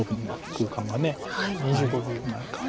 空間がどうなるか。